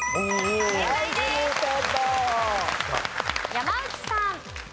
山内さん。